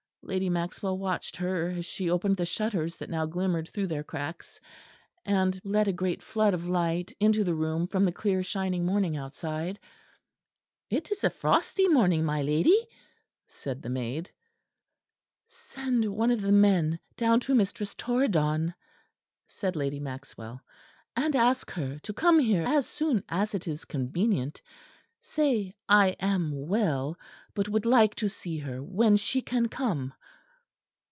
Lady Maxwell watched her as she opened the shutters that now glimmered through their cracks, and let a great flood of light into the room from the clear shining morning outside. "It is a frosty morning, my lady," said the maid. "Send one of the men down to Mistress Torridon," said Lady Maxwell, "and ask her to come here as soon as it is convenient. Say I am well; but would like to see her when she can come."